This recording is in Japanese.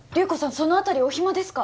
そのあたりお暇ですか？